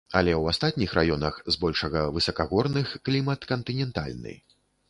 Але ў астатніх раёнах, збольшага высакагорных, клімат кантынентальны.